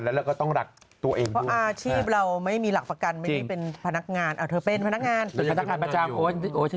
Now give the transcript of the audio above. หนูก็ต้องจัดถ้าเกิดงานเอง๓ล้านเนี่ยหนูเลยค่ะใช่ไง